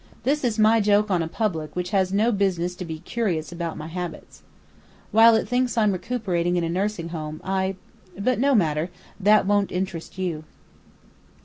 This is my joke on a public which has no business to be curious about my habits. While it thinks I'm recuperating in a nursing home I but no matter! That won't interest you."